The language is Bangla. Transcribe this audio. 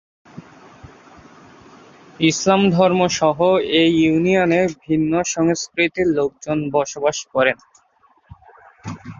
ইসলাম ধর্ম সহ এই ইউনিয়নে ভিন্ন সংস্কৃতির লোকজন বসবাস করেন।